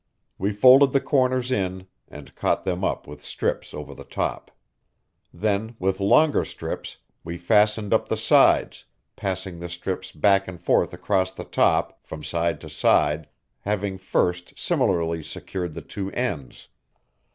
We folded the corners in and caught them up with strips over the top. Then, with longer strips, we fastened up the sides, passing the strips back and forth across the top, from side to side, having first similarly secured the two ends.